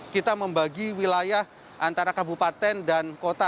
kita membagi wilayah antara kabupaten dan kota